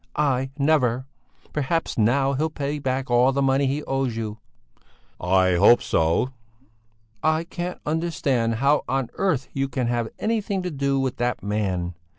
I never! Perhaps now he'll pay you back all the money he owes you?" "I hope so!" "I can't understand how on earth you can have anything to do with that man!